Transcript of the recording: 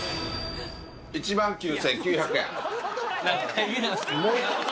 １万９９００円